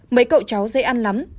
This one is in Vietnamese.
mấy cậu cháu dễ ăn lắm